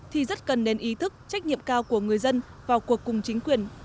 thì rất cần đến ý thức trách nhiệm cao của người dân vào cuộc cùng chính quyền